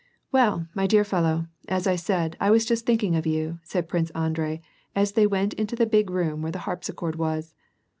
'^ Well, my dear fellow, as I said, I was just thinking of you," said Prince Andrei, as they went into the big room where the harpsichord was.